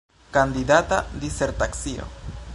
Kandidata disertacio.